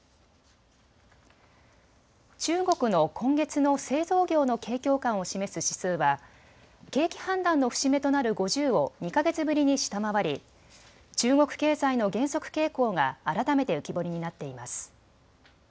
中国の今月の製造業の景況感を示す指数は景気判断の節目となる５０を２か月ぶりに下回り中国経済の減速傾向が改めて浮き彫りになっています。